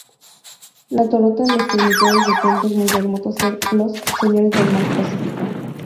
La totora les permitió desde tiempos muy remotos ser los "señores del Mar Pacífico".